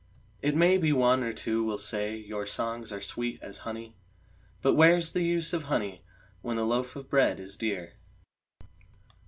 It may be one or two will say your songs are sweet as honey, But where's the use of honey, when the loaf of bread is dear?